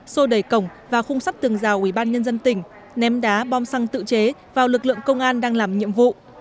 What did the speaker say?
xô đầy cổng và khung sắt tường rào ubnd tỉnh ném đá bom xăng tự chế vào lực lượng công an đang làm nhiệm vụ